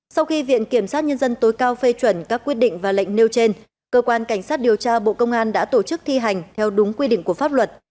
sau khi viện kiểm sát nhân dân tối cao phê chuẩn các quyết định và lệnh nêu trên cơ quan cảnh sát điều tra bộ công an đã tổ chức thi hành theo đúng quy định của pháp luật